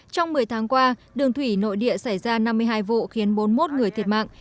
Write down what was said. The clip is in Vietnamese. trong một mươi tháng qua đường thủy nội địa xảy ra năm mươi hai vụ khiến bốn mươi một người thiệt mạng